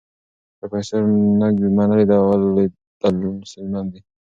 پروفیسور نګ منلې، د اولو لیدل ستونزمن دي.